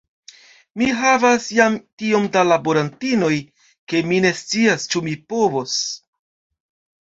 Mi havas jam tiom da laborantinoj, ke mi ne scias, ĉu mi povos.